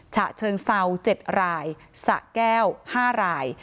ฉะเชิงเซา๗รายสะแก้ว๕ราย